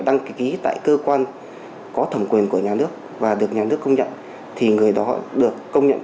đăng ký tại cơ quan có thẩm quyền của nhà nước và được nhà nước công nhận thì người đó được công nhận